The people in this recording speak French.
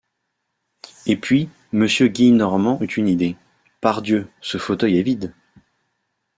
Et puis, Monsieur Gillenormand eut une idée. — Pardieu, ce fauteuil est vide.